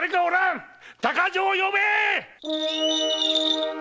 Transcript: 鷹匠を呼べ！